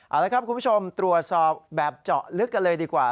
เอาละครับคุณผู้ชมตรวจสอบแบบเจาะลึกกันเลยดีกว่า